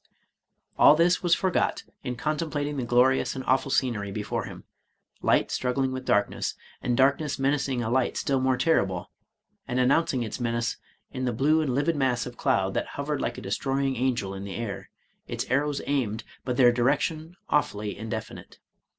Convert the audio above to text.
All this was forgot in contemplating the glorious and awful scenery before him, — ^light struggling with darkness, — and darkness menacing a light still more terrible, and announcing its menace in the blue and livid mass of cloud that hovered like a destroying angel in the air, its arrows aimed, but their direction awfully indefinite.